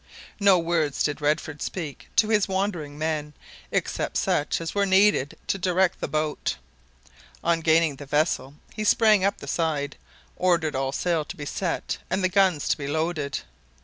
No words did Redford speak to his wondering men, except such as were needed to direct the boat. On gaining the vessel, he sprang up the side, ordered all sail to be set and the guns to be loaded.